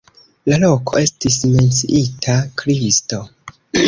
La loko estis menciita Kristo.